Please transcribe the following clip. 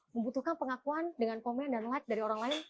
membutuhkan pengakuan dengan komen dan like dari orang lain